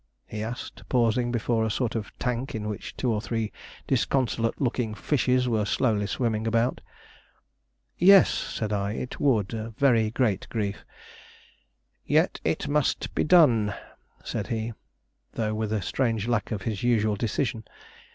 he asked, pausing before a sort of tank in which two or three disconsolate looking fishes were slowly swimming about. "Yes," said I, "it would; a very great grief." "Yet it must be done," said he, though with a strange lack of his usual decision.